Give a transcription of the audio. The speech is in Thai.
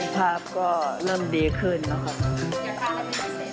ภาพก็เริ่มดีขึ้นแล้วครับ